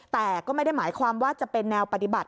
แต่ก็ไม่ได้หมายความว่าจะเป็นแนวปฏิบัติ